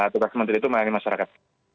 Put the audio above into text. tugas kementerian itu melayani masyarakat